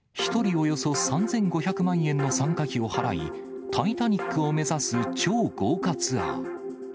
およそ３５００万円の参加費を払い、タイタニックを目指す超豪華ツアー。